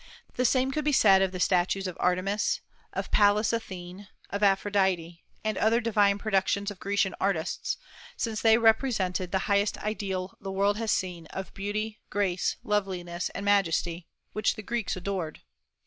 The same could be said of the statues of Artemis, of Pallas Athene, of Aphrodite, and other "divine" productions of Grecian artists, since they represented the highest ideal the world has seen of beauty, grace, loveliness, and majesty, which the Greeks adored.